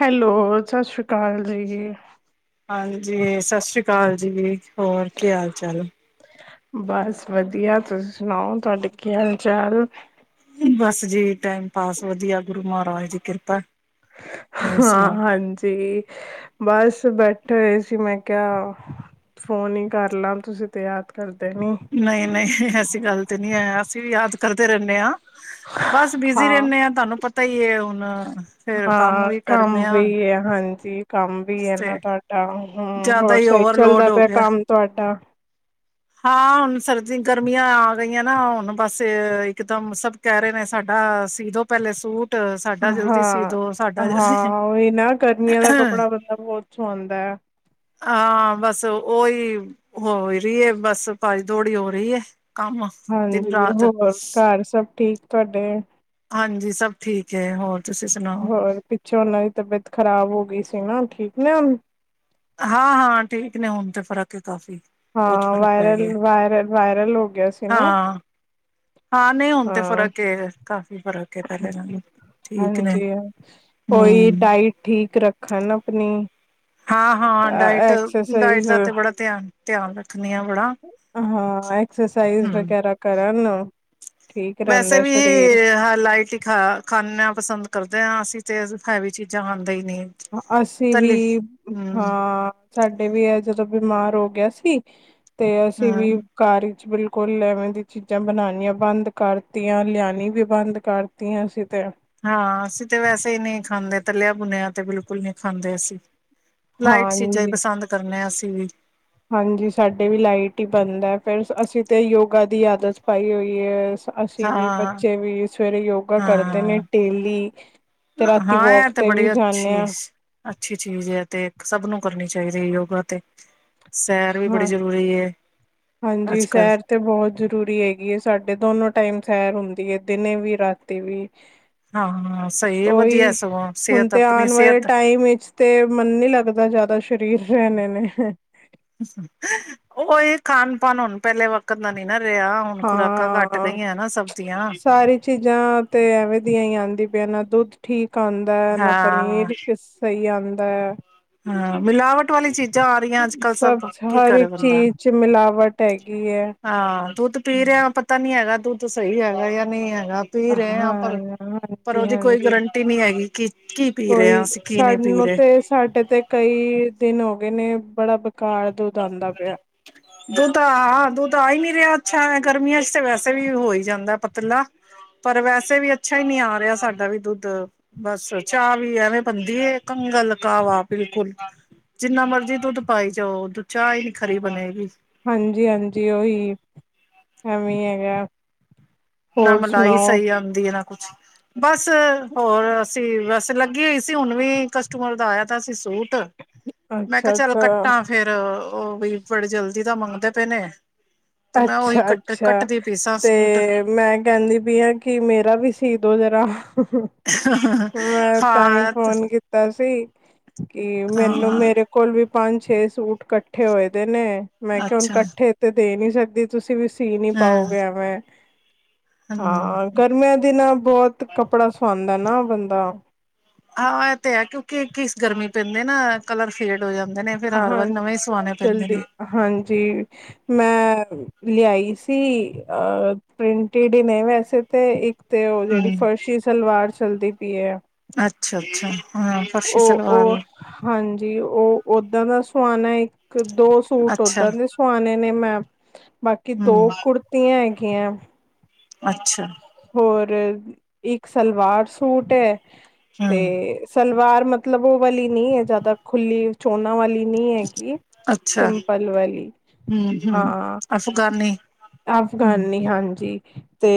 Hello ਸਤਿ ਸ੍ਰੀ ਅਕਾਲ ਜੀ ਹਾਂਜੀ ਸਤਿ ਸ਼੍ਰੀ ਅਕਾਲ ਜੀ ਹੋਰ ਕੀ ਹਾਲ ਚਾਲ ਬਸ ਵਧੀਆ ਤੁਸੀ ਸੁਣਾਓ ਤੁਹਾਡੇ ਕੀ ਹਾਲ ਚਾਲ ਬਸ ਜੀ ਟਾਈਮ ਪਾਸ ਵਧੀਆ ਗੁਰੂ ਮਹਾਰਾਜ ਦੀ ਕਿਰਪਾ ਹੋਰ ਹਾਂ ਸੁਣਾਓ ਹਾਂਜੀ ਬਸ ਬੈਠੇ ਹੋਏ ਸੀ ਮੈਂ ਕਿਹਾ ਫੋਨ ਹੀ ਕਰ ਲਾਂ ਤੁਸੀਂ ਤੇ ਯਾਦ ਕਰਦੇ ਨੀ। ਨਹੀਂ ਨਹੀਂ ਐਸੀ ਗੱਲ ਤੇ ਨਹੀਂ ਹੈ ਅਸੀਂ ਵੀ ਯਾਦ ਕਰਦੇ ਰਹਿੰਦੇ ਹਾਂ ਬਸ ਬਿਜੀੀ ਰਹਿੰਦੇ ਹਾਂ ਤੁਹਾਨੂੰ ਪਤਾ ਹੀ ਹੁਣ ਫਿਰ ਕੰਮ ਹਾਂ, ਵੀ ਕਰਦੇ ਹ ਵੀ ਹੈ, ਹਾਂਜੀ ਕੰਮ ਵੀ ਹੈ ਨਾ ਤੁਹਾਡਾ ਹਮ ਜ਼ਿਆਦਾ ਹੋਰ ਹੀ ਸਹੀ ਚੱਲਦਾ ਓਵਰਲੋਡ ਹੋ ਪਿਆ ਗਿਆ ਕੰਮ ਤੁਹਾਡਾ ਹਾਂ ਹੁਣ ਸਰਦੀ ਗਰਮੀਆਂ ਆ ਗਈਆਂ ਨਾ ਹੁਣ ਬਸ ਇੱਕਦਮ ਸਭ ਕਹਿ ਰਹੇ ਨੇ ਸਾਡਾ ਸੀ ਦੋ ਪਹਿਲੇ ਸੂਟ ਸਾਡਾ ਜਲਦੀ ਸੀ ਹਾਂ ਦੋ ਸਾਡਾ ਜਲਦੀ ਹਾਂ ਉਹੀ ਨਾ ਗਰਮੀਆਂ ਦਾ ਕੱਪੜਾ ਬੰਦਾ ਬਹੁਤ ਸਆਦਾ ਹੈ ਹਾਂ ਬਸ ਉਹੀ ਹੋ ਹੀ ਰਹੀ ਹੈ ਬਸ ਭਜੀ ਦੌੜੀ ਹੋ ਰਹੀ ਹੈ ਕੰਮ ਦਿਨ ਹਾਂਜੀ ਰਾਤ ਹੋਰ ਘਰ ਸਭ ਠੀਕ ਤੁਹਾਡੇ ਹਾਂਜੀ ਸਭ ਠੀਕ ਹੈ ਹੋਰ ਤੁਸੀਂ ਸੁਣਾਓ ਹੋਰ ਪਿੱਛੇ ਉਹਨਾਂ ਦੀ ਤਬੀਅਤ ਖ਼ਰਾਬ ਹੋ ਗਈ ਸੀ ਸਿੰਘ ਨਾ ਠੀਕ ਨੇ ਹਾਂ ਹਾਂ ਠੀਕ ਨੇ ਹੁਣ ਤੇ ਫਰਕ ਹਾਂ ਵਾਇਰਲ ਵਾਇਰਲ ਵਾਇਰਲ ਹੋ ਗਿਆ ਸੀ ਨਾ ਹਾਂ ਹਾਂ ਨਹੀਂ ਹੁਣ ਤੇ ਹਾਂ ਫ਼ਰਕ ਹੈ ਕਾਫ਼ੀ ਫ਼ਰਕ ਹੈ ਪਹਿਲੇ ਨਾਲੋਂ ਠੀਕ ਨੇ ਹਾਂਜੀ ਹ ਕੋਈ ਹਮ ਡਾਇਟ ਠੀਕ ਰੱਖਣ ਆਪਣੀ ਹਾਂ ਹਾਂ ਡਾਇਟ ਡਾਇਟ ਐਕਸਰਸਾਈਜ਼ ਦਾ ਤੇ ਬੜਾ ਧਿਆਨ ਧਿਆਨ ਰੱਖ ਹਾਂ ਐਕਸਰਸਾਈਜ਼ ਹਮ ਵਗੈਰਾ ਕਰਨ ਨਾ ਵੈਸੇ ਵੀ ਹੀ ਲਾਈਟੀ ਖਾ ਖਾਨਣਾ ਪਸੰਦ ਕਰਦੇ ਹਾਂ ਅਸੀਂ ਤੇ ਹੈਵ ਚੀਜ਼ਾਂ ਹਨ ਹ ਅਸੀਂ ਵੀ ਹਾਂ ਸਾਡੇ ਵੀ ਹੈ ਜਦੋਂ ਬਿਮਾਰ ਹੋ ਗਿਆ ਸੀ ਤੇ ਅਸੀਂ ਵੀ ਹੂੰ ਕਾਰ ਬਿਲਕੁਲ ਲਵੇਂ ਦੀ ਚੀਜ਼ਾਂ ਬਣਾਉਣੀਆਂ ਬੰਦ ਕਰਤੀਆਂ ਲਿਆਣੀ ਵੀ ਬੰਦ ਕਰਤੀਆਂ ਅਸੀਂ ਤੇ ਹਾਂ ਅਸੀਂ ਤੇ ਵੈਸੇ ਹੀ ਨਹੀਂ ਖਾਂਦੇ ਤਥਲਿਆ ਬੁਨਿਆ ਤੇ ਬਿਲਕੁਲ ਨਹੀਂ ਖਾਂਦੇ ਅਸੀਂ ਲਾਈਟ ਚੀਜ਼ਾਂ ਹੀ ਹਾਂਜੀ ਪਸੰਦ ਕਰਨੇ ਹ ਅਸੀਂ ਹਮ ਹਾਂਜੀ ਸਾਡੇ ਵੀ ਲਾਈਟ ਹੀ ਬੰਦ ਹੈ ਫੇਿਰ ਅਸੀਂ ਤਾਂ ਯੋਗਾ ਦੀ ਆਦਤ ਪਾਈ ਹੋਈ ਹੈ ਅਸੀਂ ਵੀ ਹਾਂ ਬੱਚੇ ਵੀ ਸਵੇਰੇ ਯੋਗਾ ਕਰਦੇ ਨੇ ਹਾਂ ਡੇਲੀ ਤੇ ਰਾਤੀ ਹਾਂ ਇਹ ਵੋਕ ਤੇ ਵੀ ਬੜੀ ਜਾਂਦੇ ਅੱਛੀ ਹਾਂ ਚਾਹੀਦੇ ਯੋਗਾ ਤੇ ਸੈਰ ਵੀ ਬੜੀ ਹਾਂ ਜ਼ਰੂਰੀ ਹਾਂਜੀ ਅੱਜ ਕੱਲ ਸੈਰ ਤੇ ਬਹੁਤ ਜਰੂਰੀ ਹੈਗੀ ਹੈ ਸਾਡੇ ਦੋਨੋ ਟਾਈਮ ਸੈਰ ਹੁੰਦੀ ਹੈ ਦਿਨੇ ਵੀ ਰਾਤੀ ਵੀ ਹਾਂ ਸਹੀ ਵਧੀਆ ਉਓਹੀ ਸਗੋਂ ਹੁਣ ਸਿਹਤ ਤੇ ਆਪਣੀ ਆਉਣ ਵਾਲੇ ਸਿਹਤ ਟਾਈਮ ਵਿੱਚ ਤੇ ਮਨ ਨੀ ਲੱਗਦਾ ਜਿਆਦਾ ਦਾ ਸਰੀਰ ਰਹਿਣੇ ਨੇ ਉਹ ਇਹ ਖਾਾਨ ਪਾਨ ਹੁਣ ਪਹਿਲੇ ਵਕਤ ਦਾ ਨੀ ਨਾ ਰਿਹਾ ਹੁਣ ਖੁਰਾਕਾਂ ਘੱਟ ਹਾਂ ਗਈਆਂ ਨਾ ਸਬ ਦੀਆ ਸਾਰੀ ਚੀਜ਼ਾਂ ਤੇ ਐਵੇਂ ਦੀਆਂ ਹੀ ਆਉਂਦੀ ਪਨਾਂ ਦੁੱਧ ਠੀਕ ਆਉਂਦਾ ਨਾ ਹਾਂ ਪਨੀਰ ਸਹੀ ਆਉਂ ਅਦਾ ਹਾਂ ਮਿਲਾਵਟ ਵਾਲੀ ਚੀਜ਼ਾਂ ਆ ਰਹੀਆਂ ਅੱਜ ਕੱਲ ਸਭ ਕੀ ਹਰ ਕਰੇ ਇੱਕ ਬੰਦਾ ਚੀਜ਼ ਚ ਮਿਲਾਵਟ ਹੈਗੀ ਹੈ। ਹਾਂ ਦੁੱਧ ਪੀ ਰਿਹਾ ਪਤਾ ਨੀ ਹੈਗਾ ਤ ਤਾਂ ਸਹੀ ਹੈਗਾ ਜਾਂ ਨਹੀਂ ਹੈ ਗਾ ਪੀ ਰਹੇ ਹਾਂ ਪਰ ਪਰ ਹਾਂਜੀ ਉਹਦੀ ਕੋਈ ਹਾਂਜੀ ਗਰੰਟੀ ਨਹੀਂੀ ਹੈਗੀ ਕਿ ਕੀ ਪੀ ਰਹੇਾਂ ਕੋਈ ਅਸੀਂ ਕੀ ਨਹੀਂ ਪੀ ਸਾਨੂੰ ਰਹੇ ਤੇ ਸਾਡੇ ਤੇ ਕਈ ਦਿਨ ਹੋ ਗਏ ਨੇ ਬੜਾ ਬੇਕਾਰ ਦੁੱਧ ਆਉਂਦਾ ਪਿਆ ਉਹ ਤਾਂ ਹਾ ਹਾਂ ਦੁੱਧ ਆ ਹੀ ਨਹੀਂ ਰਿਹਾ ਅੱਛਾ ਗਰਮੀਆਂ ਚ ਤੇ ਵੈਸੇ ਵੀ ਹੋ ਹੀ ਜਾਂਦਾ ਪਤਲਾ ਪਰ ਵੈਸੇ ਵੀ ਅੱਛਾ ਹੀ ਨਹੀਂੀ ਆ ਰਿਹਾ ਸਾਡਾ ਵੀ ਦੁੱਧ ਬਸ ਚਾਹ ਵੀ ਐਵੇਂ ਬਣਦੀ ਹੈ ਕੰਗਲ ਕਾਹਵਾ ਬਿਲਕੁਲ ਜਿੰਨਾ ਮਰਜੀੀ ਦੁੱਧ ਪਾਈ ਜਾਓ ਚਾਹ ਹੀ ਨੀ ਖਰੀ ਬਣੇਗੀ ਹਾਂਜੀ ਹਾਂਜੀ ਉਓਹੀ ਐਵੇਂ ਹੈਗਾ ਨਾ ਹੋਰ ਮਲਾਈ ਸੁਣਾਓ ਸਹੀ ਆਉਂਦੀ ਹੈ ਨਾ ਕੁਛ ਬਸ ਹੋਰ ਅਸੀਂ ਬਸ ਤੇ ਲੱਗੀ ਹੋਈ ਸੀ ਹੁਣ ਵੀ ਕਸਟਮਰ ਦਾ ਆਇਆ ਤਾ ਸੀ ਸੂਟ ਮੈਂ ਕਿਹਾ ਅੱਛਾ ਚੱਲ ਅੱਛਾ ਕੱਟਾਂ ਫੇਿਰ ਉਹ ਵੀ ਬੜੇ ਜਲਦੀ ਤਾਂ ਮੰਗਦੇ ਪਏ ਨੇ ਤੇ ਮੈਂ ਉਹੀ ਅੱਛਾ ਕੱਟ ਅੱਛਾ ਕੱਟਦੀ ਪਈ ਸਾਂ ਸੂਟ ਤੇ ਮੈਂ ਕਹਿੰਦੀ ਪਈ ਆ ਕਿ ਮੇਰਾ ਵੀ ਸੀ ਦੋ ਹਜ਼ਾਰ ਰਾਹ ਹਾਂ ਮੈਂ ਤਾਂਹੀ ਹਾਂ ਫੋਨ ਕੀਤਾ ਸੀ ਕੀ ਮੈਨੂੰ ਮੇਰੇ ਕੋਲ ਵੀ ਪੰਜ ਛੇ ਸੂਟ ਇਕੱਠੇ ਹੋਏ ਦੇ ਨੇ ਮੈਂ ਕਿਹਾ ਹੁਣ ਅੱਛਾ ਇਕੱਠੇ ਤੇ ਤੇ ਸਕਦੀ ਤੁਸੀਂ ਵੀ ਸੀ ਨੀ ਹਾਂ ਪਾਓਗੇ ਮੈਂ ਹਮ ਹਾਂ ਗਰਮੀਆਂ ਦਿਨਾਂ ਬਹੁਤ ਕੱਪੜਾ ਸਆਦਾ ਦਾ ਨਾ ਬਦਾ ਹਾਂ ਇਹ ਤੇ ਹੈ ਕਿਉਂਕਿ ਕੀ ਗਰਮੀ ਪੈਂਦੇ ਨਾ ਕਲਰ ਫੇਡ ਹੋ ਜਾਂਦੇ ਨੇ ਫਿਰ ਹਰ ਵਾਰ ਹਾਂਜੀ ਨਵੇਂ ਸਵਾਣੇ ਬਹੁਤ ਪੈਂਦੇ ਜਲਦੀ ਨੇ ਹਾਂਜੀ ਮੈਂ ਲਿਆਈ ਸੀ ਅ ਪ੍ਰਿੰਟਡਨ ਵੈਸੇ ਤਾਂ ਇੱਕ ਤੇ ਉਹ ਜਿਹੜੀ ਹਮ ਫਰਸ਼ੀ ਸਲਵਾਰ ਜਲਦੀ ਪੀਏ ਅੱਛਾ ਅੱਛਾ ਹ ਫਰਸ਼ੀ ਉਹ ਸਲਵਾਰ ਉਹ ਹਾਂਜੀ ਉਹ ਓਦਾਂ ਦਾ ਸੁਆਣਾ ਇੱਕ ਦੋ ਸੂਟ ਅੱਛਾ ਉਓਦਾਂ ਦੇ ਸਵਾਣੇ ਨੇ ਮੈਂ ਬਾਕੀ ਦੋ ਹਮ ਕੁੜਤੀਆਂ ਹੈ ਕਿ ਅੱਛਾ ਇੱਕ ਸਲਵਾਰ ਸੂਟ ਹੈ ਤੇ ਹੂੰ, [unintelligible] ਸਲਵਾਰ ਮਤਲਬ ਉਹ ਵਾਲੀ ਨਹੀਂ ਹੈ, ਜਿਆਦਾ ਖੁੱਲੀ ਚੋਨਾ ਵਾਲੀ ਨੀ ਹੈਗੀ ਅੱਛਾ ਸਿੰਪਲ ਵਾਲੀ ਹੂੰ-ਹੂੰ, ਹਾਂ, ਅਫਗਾਨੀ ਹੂੰ, ਅਫਗਾਨੀ ਹਾਂਜੀ। ਤੇ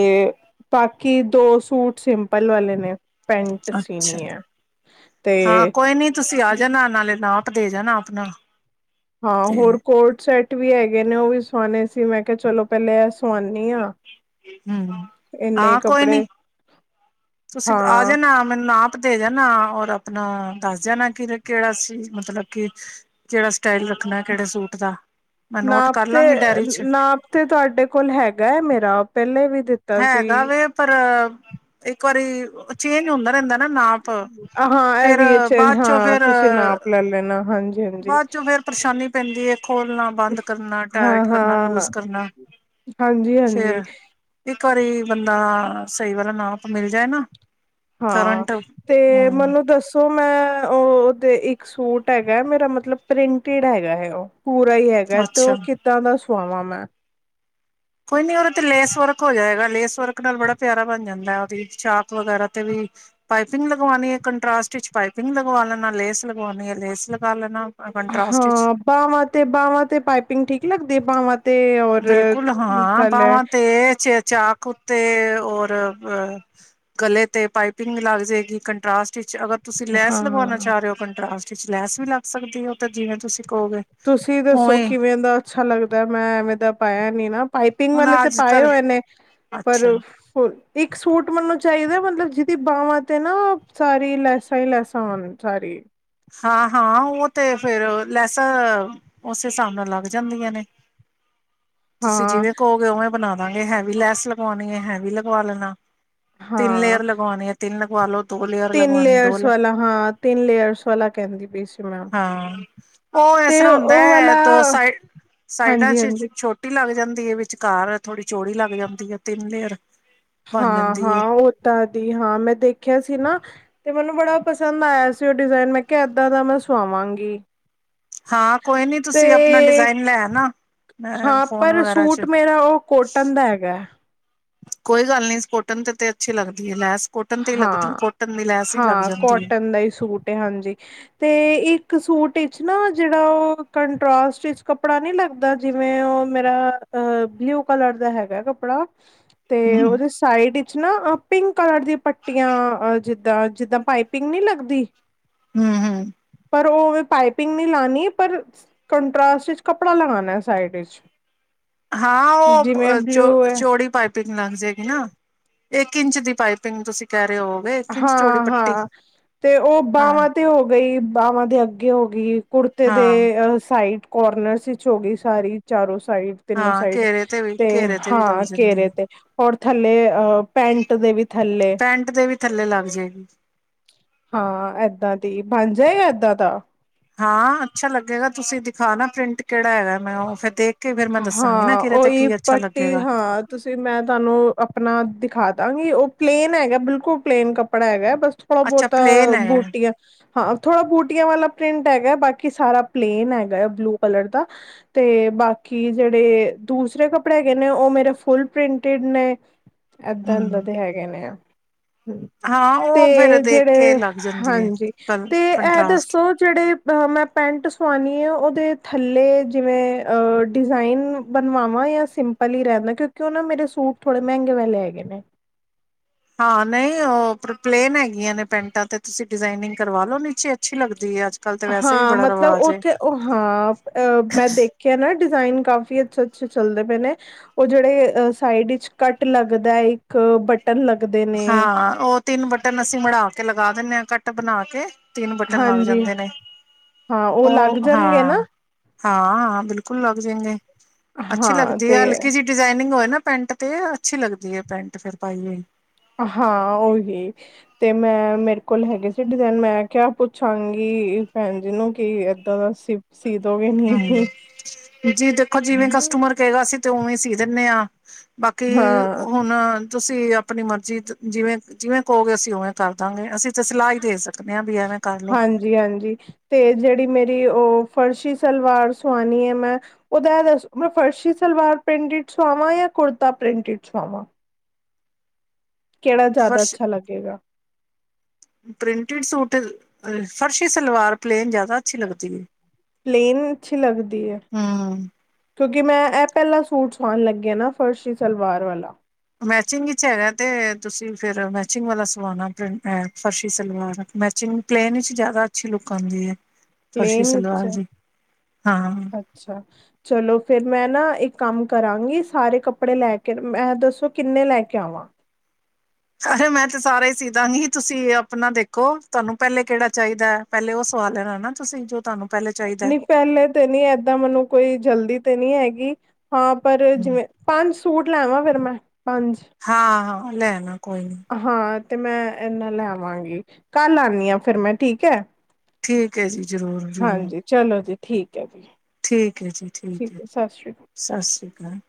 ਬਾਕੀ ਦੋ ਸੂਟ ਸਿੰਪਲ ਵਾਲੇ ਨੇ। ਪੈਂਟ ਅੱਛਾ ਸੀਣੀ ਹੈ ਤੇ ਹਾਂ ਕੋਈ ਨੀ ਤੁਸੀਂ ਆ ਜਾਣਾ ਨਾਲੈ ਨਾਪ ਦੇ ਜਾਣਾ ਆਪਣਾ ਹਾਂ ਤੇ ਹੋਰ ਕੋਟ ਸੈਟ ਵੀ ਹੈਗੇ ਨੇ। ਉਹ ਵੀ ਸਵਾਣੇ ਸੀ ਮੈਂ ਕਿਹਾ ਚਲੋ ਪਹਿਲੇ ਇਹ ਸਵਾਣੀ ਹਾਂ। ਹੂੰ ਹਾਂ ਕੋਈ ਨੀ ਤੁਸੀਂ ਆ ਹਾਂ ਜਾਣਾ ਮੈਨੂੰ ਨਾਪ ਦੇ ਜਾਣਾ ਔਰ ਆਪਣਾ ਦੱਸ ਜਾਣਾ, ਕਿ ਕਿਹੜਾ ਸੀ ਮਤਲਬ ਕਿ ਕਿਹੜਾ ਸਟਾਈਲ ਰੱਖਣਾ ਕਿਹੜੇ ਸੂਟ ਦਾ। ਮੈਂ ਨੋਟ ਨਾਪ ਕਰ ਤੇ ਲਾਂਗੀ ਡਾਇਰੀ ਚ ਨਾਪ ਤੇ ਤੁਹਾਡੇ ਕੋਲ ਹੈਗਾ ਹੈ ਮੇਰਾ ਉਹ ਪਹਿਲੇ ਵੀ ਦਿੱਤਾ ਸੀ। ਹੈਗਾ ਵੇ ਪਰ ਇੱਕ ਵਾਰੀ ਚੇਂਜ ਹੁੰਦਾ ਰਹਿੰਦਾ ਨਾ ਨਾਪ। ਹਾਂ ਇਹ ਫੇਰ ਵੀ ਹੈ ਚੇਂਜ ਬਾਅਦ ਚੋਂ ਹਾਂ ਫਰ ਤੁਸੀਂ ਨਾਪ ਲੈ ਲੈਣਾ ਹਾਂਜੀ ਹਾਂਜੀ ਬਾਅਦ ਚੋ ਫੇਰ ਪਰੇਸ਼ਾਨੀ ਪੈਂਦੀ ਹੈ ਖੋਲਣਾ ਬੰਦ ਕਰਨਾ ਹਾਂ ਟਾਇਟ ਕਰਨਾ ਹਾਂ ਲੂਜ ਕਰਨਾ ਹਾਂਜੀ ਹਾਂਜੀ ਫਿਰ ਇੱਕ ਵਾਰੀ ਬੰਦਾ ਸਹੀ ਵਾਲਾ ਨਾਪ ਮਿਲ ਜਾਏ ਨਾ ਹਾਂ ਕਰੰਟ ਤੇ ਹਮ ਮੈਨੂੰ ਦੱਸੋ ਮੈਂ ਉਹ ਉਹਦੇ ਇੱਕ ਸੂਟ ਹੈਗਾ ਮੇਰਾ ਮਤਲਬ ਪ੍ਰਿੰਟਡ ਹੈਗਾ ਹੈ ਉਹ ਪੂਰਾ ਹੀ ਹੈਗਾ ਤੇ ਅੱਛਾ ਉਹ ਕਿੱਦਾਂ ਦਾ ਸੁਆਵਾਂ ਮੈਂ ਕੋਈ ਨੀ ਉਹਦੇ ਤੇ ਲੇਸ ਵਰਕ ਹੋ ਜਾਏਗਾ। ਲੇਸ ਵਰਕ ਨਾਲ ਬੜਾ ਪਿਆਰਾ ਬਣ ਜਾਂਦਾ। ਉਹਦੀ ਚਾਕ ਵਗੈਰਾ ਤੇ ਵੀ ਪਾਈਪਿੰਗ ਲਗਵਾਉਣੀ ਹੈ ਕੰਟਰਾਸਟ ਵਿੱਚ ਪਾਈਪਿੰਗ ਲਗਵਾ ਲੈਣਾ। ਲੇਸ ਲਗਵਾਉਣੀ ਹੈ ਲੇਸ ਲਗਾ ਲੈਣਾ। ਕੰਟਰਾਸਟ ਵਿੱਚ ਹਾਂ ਬਾਹਵਾਂ ਤੇ ਬਾਹਵਾਂ ਤੇ ਪਾਈਪਿੰਗ ਠੀਕ ਲੱਗਦੀ ਤੇ ਬਾਵਾਂ ਬਿਲਕੁਲ ਹਾਂ ਬਾਵਾਂ ਤੇ ਚ ਚਾਕ ਉੱਤੇ ਉਹ ਗਲੇ ਤੇ ਪਾਈਪਿੰਗ ਲੱਗ ਜਾਏਗੀ ਕੰਟਰਾਸਟ ਚ। ਅਗਰ ਤੁਸੀਂ ਲੈਸ ਹਾਂ ਲਗਵਾਣਾ ਚਾਅ ਰਹੇ ਹੋ ਕੰਟਰਾਸਟ ਚ। ਉਸ ਵਿੱਚ ਲੈਸ ਵੀ ਲੱਗ ਸਕਦੀ ਹੈ। ਓ ਤੇ ਜਿਵੇਂ ਤੁਸੀਂ ਕਹੋਗੇ ਤੁਸੀਂ ਦੱਸੋ ਉਵੇਂ ਕਿਵੇਂ ਦਾ ਅੱਛਾ ਲੱਗਦਾ ਹੈ ਮੈਂ ਐਵੇਂ ਦਾ ਪਾਇਆ ਨਹੀ ਨਾ ਪਾਈਪਿੰਗ ਹੁਣ ਵਾਲੇ ਤਾਂ ਅੱਜ ਪਾਏ ਕੱਲ ਹੋਏ ਨੇ ਪਰ ਅੱਛਾ ਇੱਕ ਸੂਟ ਮੈਨੂੰ ਚਾਹੀਦਾ ਮਤਲਬ ਜਿਹਦੀ ਬਾਵਾਂ ਤੇ ਨਾ ਸਾਰੀ ਲੈਸਾਂ ਹੀ ਲੈਸਾਂ ਸਾਰੀ। ਹਾਂ ਹਾਂ ਉਹ ਤੇ ਫੇਰ ਲੈਸਾਂ ਉਸੇ ਹਿਸਾਬ ਨਾਲ ਲੱਗ ਜਾਂਦੀਆਂ ਨੇ। ਤੁਸੀਂ ਹਾਂ ਜਿਵੇਂ ਕਹੋਗੇ ਉਵੇਂ ਬਣਾ ਦਾਂਗੇ ਹੈ ਵੀ ਲੈਸ ਲਗਵਾਣੀ ਹੈ ਹੈ ਵੀ ਲਗਵਾ ਲੈਣਾ। ਤਿੰਨ ਹਾਂ ਲੇਅਰ ਲਗਵਾਣੀ ਹੈ ਤਿੰਨ ਲਗਵਾਲੋ ਤਿੰਨ ਲੇਅਰਸ ਵਾਲਾ ਹਾਂ ਤਿੰਨ ਲੇਅਰ ਹਾਂ ਉਹ ਇਸ ਤੇ ਤਰ੍ਹਾਂ ਹੁੰਦਾ ਉਹ ਹੈ ਵਾਲਾ ਦੋ ਸਾਈ ਸਾਈਡਾਂ ਹਾਂਜੀ ਚ ਹਾਂਜੀ ਛੋਟੀ ਲੱਗ ਜਾਂਦੀ ਦੀ ਇਹ ਵਿਚਕਾਰ ਥੋੜ੍ਹੀ ਚੋੜੀ ਲੱਗ ਜਾਂਦੀ ਹੈ ਤਿੰਨ ਲੇਅਰ ਬਣ ਹਾਂ ਜਾਂਦੀ ਹੈ ਹਾਂ ਉਹ ਤਾਂ ਦੀ ਹਾਂ ਮੈਂ ਦੇਖਿਆ ਸੀ ਨਾ ਤੇ ਮੈਨੂੰ ਬੜਾ ਪਸੰਦ ਆਇਆ ਸੀ, ਉਹ ਡਿਜ਼ਾਇਨ ਮੈਂ ਕਿਹਾ ਏਦਾਂ ਦਾ ਮੈਂ ਸਵਾਵਾਂਗੀ। ਹਾਂ ਕੋਈ ਨੀ ਤੁਸੀਂ ਆਪਣਾ ਤੇ ਡਿਜ਼ਾਇਨ ਲੈ ਆਨਾ ਅ ਹਾਂ, ਫੋਨ ਪਰ ਵਗੈਰਾ ਸੂਟ ਚ ਮੇਰਾ ਉਹ ਕੋਟਨ ਦਾ ਹੈਗਾ ਹੈ। ਕੋਈ ਗੱਲ ਨੀ ਸਪੋਟਨ ਤੇ ਤੇ ਅੱਛੀ ਲੱਗਦੀ ਹੈ ਲੈਸ ਕੋਟਨ ਤੇ ਹੀ ਲੱਗਦੀ ਕੋਟਨ ਦੀ ਲੈਸ ਹੀ ਲੱਗ ਹਾਂ-ਹਾਂ, ਜਾਂਦੀ ਹੈ ਕੋਟਨ ਦਾ ਹੀ ਸੂਟ ਹੈ ਹਾਂਜੀ ਤੇ ਇੱਕ ਸੂਟ ਸਟੀ ਨਾ ਜਿਹੜਾ ਉਹ ਕੰਟਸਟ ਕੱਪੜਾ ਨੀ ਲੱਗਦਾ ਜਿਵੇਂ, ਉਹ ਮੇਰਾ ਬਲਿਊ ਕਲਰ ਦਾ ਹੈਗਾ ਕੱਪੜਾ ਤੇ ਹਮ ਉਹਦੇ ਸਾਈਡ ਨਾਂ ਪਿੰਕ ਕਲਰ ਦੀ ਪੱਟੀਆਂ ਅ ਜਿੱਦ ਦਾਂ ਜਿੱਦਾਂ ਪਾਈਪਿੰਗ ਨਹੀ ਲੱਗਦੀ। ਹੂੰ-ਹੂੰ, ਪਰ ਉਹ ਪਾਈਪਿੰਗ ਨੀ ਲੀ ਪਰ ਕੰਟਸਟ ਵਿਚ ਕੱਪੜਾ ਲਗਾਣਾ ਸਾਈਡ ਵਿਚ ਹਾਂ, ਉਹ ਚੋ ਚੋੜੀ ਪਾਈਪਿੰਗ ਲੱਗ ਜਾਏਗੀ ਨਾ। ਇੱਕ ਇੰਚ ਦੀ ਪਾਈਪਿੰਗ ਤੁਸੀਂ ਕਹਿ ਰਹੇ ਹੋਗੇ ਇੱਕ ਇੰਚ ਚੌੜੀ ਪੱਟੀ ਹਾਂ-ਹਾਂ, ਤੇ ਉਹ ਹਾਂ ਬਾਹਵਾਂ ਤੇ ਹੋ ਗਈ। ਬਾਵਾਂ ਦੇ ਅੱਗੇ ਹੋ ਗਈ। ਕੁੜਤੇ ਦੇ ਹਾਂ ਸਾਈਡ ਕੋਰਨਰਸ ਵਿੱਚ ਹੋ ਗਈ ਸਾਰੀ ਚਾਰੋ ਸਾਈਡ ਤਿੰਨੋ ਹਾਂ ਸਾਈਡ ਘੇਰੇ ਵੀ ਤੇ ਘੇਰੇ ਵੀ ਲੱਗ ਹਾਂ ਜਾਂਦੀ ਕੇਰੇ ਹੈ ਤੇ ਹੋਰ ਥੱਲੇ ਪੈਂਟ ਦੇ ਵੀ ਥੱਲੇ ਪੈਂਟ ਦੇ ਵੀ ਥੱਲੇ ਲੱਗ ਜਾਏਗੀ ਹਾਂ, ਏਦਾਂ ਦੀ ਹਾਂਜੀ, ਏ ਏਦਾਂ ਦਾ ਹਾਂ ਅੱਛਾ ਲੱਗੇਗਾ, ਤੁਸੀਂ ਦਿਖਾ ਨਾ ਪ੍ਰਿੰਟ ਕਿਹੜਾ ਹੈਗਾ ਮੈਂ ਉਹ ਫਿਰ ਦੇਖ ਕੇ ਫਿਰ ਮੈਂ ਦੱਸਾਂਗੀ ਨਾ ਹਾਂ, ਕਿਹਦੇ ਤੇ ਉਹੀ ਕੀ ਅੱਛਾ ਪੱਟੀ ਲੱਗੇਗਾ ਹਾਂ ਤੁਸੀਂ ਮੈਂ ਤੁਹਾਨੂੰ ਆਪਣਾ ਦਿਖਾ ਦਾਂਗੀ ਉਹ ਪਲੇਨ ਹੈਗਾ, ਬਿਲਕੁਲ ਪਲੇਨ ਕੱਪੜਾ ਹੈਗਾ ਬਸ ਥੋੜਾ ਅੱਛਾ ਬਹੁਤਾ ਪਲੇਨ ਹੈਗਾ ਬੁਟੀਆਂ, ਹਾਂ, ਥੋੜਾ ਬੂਟੀਆਂ ਵਾਲਾ ਪ੍ਰਿੰਟ ਹੈਗਾ, ਬਾਕੀ ਸਾਰਾ ਪਲੇਨ ਹੈਗਾ ਹੈ ਬਲੂ ਕਲਰ ਦਾ ਤੇ ਬਾਕੀ ਜਿਹੜੇ ਦੂਸਰੇ ਕੱਪੜੇ ਹੈਗੇ, ਨੇ ਉਹ ਮੇਰੇ ਫੁਲ ਪ੍ਰਿੰਟਿਡ ਨੇ। ਏਦਾਂ ਇਦਾਂ ਹਮ ਦੇ ਹੈਗੇ ਨੇ ਆ। ਹਾਂ ਤੇ ਉਹ ਫੇਰ ਦੇਖ ਕੇ ਜਿਹੜੇ ਲੱਗ ਜਾਂਦੀ ਹੈ ਹਾਂਜੀ ਕਲ ਤੇ ਇਹ ਕੰਟਰਾਸਟ ਦੱਸੋ, ਜਿਹੜੇ ਅ ਮੈਂ ਪੈਂਟ ਸਵਾਣੀ। ਜਾ ਉਹਦੇ ਥੱਲੇ। ਜਿਵੇਂ ਡਿਜ਼ਾਇਨ ਬਣਵਾਵਾਂ ਜਾ ਸਿੰਪਲ ਹੀ ਰਹਿੰਦਾ, ਕਿਉਂਕਿ ਉਹ ਨਾ ਮੇਰੇ ਸੂਟ ਥੋੜੇ ਮਹਿੰਗੇ ਵਾਲੇ ਹੈਗੇ ਨੇ। ਹਾਂ, ਨਹੀਂ ਉਹ ਪਲੇਨ ਹੈਗੀਆਂ, ਨੇ ਪੈਂਟਾਂ ਤੇ ਤੁਸੀਂ ਡਿਜ਼ਾਇਨਿੰਗ ਕਰਵਾ ਲੋ ਨੀਚੇ ਅੱਛੀ ਲੱਗ ਹਾਂ ਮਤਲਬ ਉੱਥੇ ਉ ਹਾਂ ਅ ਮੈਂ ਦੇਖਿਆ ਨਾ ਡਿਜ਼ਾਇਨ। ਕਾਫੀ ਅੱਛੇ-ਅੱਛੇ, ਚੱਲਦੇ ਪਏ ਨੇ ਉਹ ਜਿਹੜੇ ਸਾਈਡ ਵਿੱਚ ਕੱਟ ਲੱਗਦਾ ਹੈ, ਇੱਕ ਪਟ ਹਾਂ, ਉਹ ਤਿੰਨ ਬਟਨ ਅਸੀਂ ਮੜ੍ਹਾ ਕੇ ਲਗਾ। ਲਗਾ ਦਿੰਦੇ ਹਾਂ ਕੱਟ ਬਣਾ ਕੇ। ਤਿੰਨ ਬਟਨ ਲੱਗ ਹਾਂਜੀ ਜਾਂਦੇ ਨੇ ਹਾਂ ਲੱਗ ਉਹ ਜਾਣਗੇ ਨਾ ਹਾਂ। ਹਾਂ ਬਿਲਕੁਲ ਲੱਗ ਜਾਏਗੇ। ਅੱਛੀ ਹਾਂ ਲੱਗਦੀ ਹੈ। ਤੇ ਹਲਕੀ ਜਿਹੀ ਡਿਜ਼ਾਇਨਿੰਗ ਹੋਏ ਨਾ ਪੈਂਟ ਤੇ ਅੱਛੀ ਲੱਗਦੀ ਹੈ ਪੈਂਟ ਫਰ ਪਾਈ ਹੋਈ। ਹਾਂ ਉਓਹੀ ਤੇ ਮੈਂ ਮੇਰੇ ਕੋਲ ਹੈਗੇ ਸੀ ਡਿਜ਼ਾਇਨ ਮੈਂ ਕਿਆ ਪੁੱਛਾਂਗੀ ਭੈਣ ਜੀ ਨੂੰ ਕੀ ਏਦਾਂ ਦਾ। ਸੀ ਸੀ ਦੋਗੇ ਨੀ ਹਮ ਜੀ ਦੇਖੋ ਜਿਵੇਂ ਕਸਟਮਰ ਕਹੇਗਾ ਸੀ। ਉਵੇਂ ਸੀ ਦਿੰਨੇ ਹਾਂ ਬਾਕੀ ਹਾਂ ਹੁਣ ਤੁਸੀਂ ਆਪਣੀ ਮਰਜ਼ੀ ਜਿਵੇਂ ਜਿਵੇਂ ਕਹੋਗੇ ਅਸੀਂ ਉਵੇਂ ਕਰ ਦਾਂਗੇ ਅਸੀਂ ਤਾਂ ਸਲਾਹ ਹੀ ਦੇ ਸਕਦੇ ਹਾਂ ਵੀ ਐਵੇਂ ਕਰ ਲਓ ਹਾਂਜੀ ਹਾਂਜੀ ਤੇ ਜਿਹੜੀ ਮੇਰੀ ਉਹ ਫਰਸ਼ੀ ਸਲਵਾਰ ਸੁਣਣੀ ਹੈ ਮੈਂ ਓਦਾ ਦ ਮ ਫਰਸ਼ੀ ਸਲਵਾਰ ਪ੍ਰਿੰਟਿਡ ਸਆਵਾਂ ਯਾਂ ਕੁੜਤਾ ਪ੍ਰਿੰਟਿਡ ਸਆਵਾਂ ਕਿਹੜਾ ਜ਼ਿਆਦਾ ਅੱਛਾ ਲੱਗੇਗਾ ਪ੍ਰਿੰਟਿਡ ਸੂਟ ਫਰਸ਼ੀ ਸਲਵਾਰ ਪਲੇਨ ਜ਼ਿਆਦਾ ਅੱਛੀ ਲੱਗਦੀ ਏ ਪਲੇਨ ਅੱਛੀ ਲੱਗਦੀ ਏ ਹੂੰ। ਕਿਉਂਕਿ ਮੈਂ ਇਹ ਪਹਿਲਾਂ ਸੂਟ ਸਵਾਉਣ ਲੱਗੀ ਨਾ ਫਰਸ਼ੀ ਸਲਵਾਰ ਵਾਲਾ ਮੈਚਿੰਗ ਵਿੱਚ ਹੈਗਾ ਤੇ ਤੁਸੀਂ ਫਿਰ ਮੈਚਿੰਗ ਵਾਲਾ ਸਵਾਣਾ ਏਹ ਫਰਸ਼ੀ ਸਲਵਾਰ ਮੈਚਿੰਗ ਪਲੇਨ ਵਿੱਚ ਜ਼ਿਆਦਾ ਅੱਛੀ ਲੁੱਕ ਆਉਂਦੀ ਹੈ ਫਰਸ਼ੀ ਪਲੇਨ ਵਿਚ ਸਲਵਾਰ ਦੀ ਹਾਂ ਅੱਛਾ ਚਲੋ ਫਿਰ ਮੈਂ ਨਾ ਇੱਕ ਕੰਮ ਕਰਾਂਗੀ ਸਾਰੇ ਕੱਪੜੇ ਲੈ ਕੇ ਮੈਂ ਦੱਸੋ ਕਿੰਨੇ ਲੈ ਕੇ ਆਵਾਂ ਸੀ ਦਸਾਂਗੀ ਹੀ ਤੁਸੀਂ ਆਪਣਾ ਦੇਖੋ ਤੁਹਾਨੂੰ ਪਹਿਲੇ ਕਿਹੜਾ ਚਾਹੀਦਾ ਹੈ ਪਹਿਲੇ ਉਹ ਸਵਾਲ ਲੈਣਾ ਨਾ ਤੁਸੀਂ ਜੋ ਤੁਹਾਨੂੰ ਪਹਿਲੇ ਚਾਹੀਦਾ ਹੈ। ਨਹੀਂ ਪਹਿਲੇ ਤੇ ਨੀ ਏਦਾਂ ਮੈਨੂੰ ਕੋਈ ਜਲਦੀ ਤੇ ਨਹੀਂ ਹੈਗੀ ਹਾਂ ਪਰ ਹਮ, ਜਿਵੇਂ ਪੰਜ ਸ ਸੂਟ ਲੈਵਾਂ ਫਿਰ ਮੈਂ ਪੰਜ ਹਾਂ ਹਾਂ ਹ ਲੈਣਾ ਕੋਈ ਨੀ ਹਾਂ ਤੇ ਮੈਂ ਇਹਨਾਂ ਲੈਵਾਂਗੀ ਕੱਲ ਆਉਣੀ ਆਂ ਫਿਰ ਮੈਂ ਠੀਕ ਹੈ ਠੀਕ [unintelligible] ਹੈ ਜੀ ਜ਼ਰੂਰ ਜ਼ਰੂਰ ਹਾਂਜੀ ਚਲੋ ਜੀ ਠੀਕ ਹੈ ਜੀ ਠੀਕ ਹੈ ਜੀ ਠੀਕ ਹੈ ਸਤਿ ਸ਼੍ਰੀ ਅਕਾਲ ਸਤਿ ਸ਼੍ਰੀ [inaudible]